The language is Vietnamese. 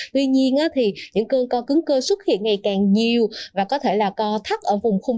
tuy nhiên thì những cơn co cứng cơ xuất hiện ngày càng nhiều và có thể là co thấp ở vùng khung